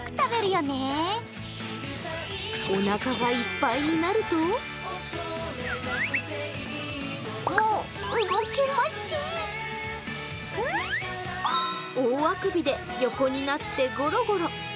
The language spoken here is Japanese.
おなかがいっぱいになると大あくびで横になってゴロゴロ。